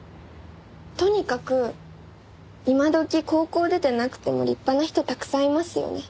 とにかく今どき高校出てなくても立派な人たくさんいますよね。